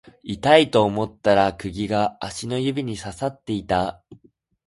痛いと思ったら釘が足の指に刺さっていた